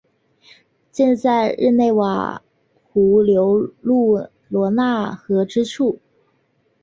建在日内瓦湖流入罗讷河之处。